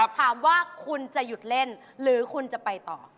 และเป็นอย่างไรว่าคุณจะหยุดเล่นหรือคุณจะไปต่อ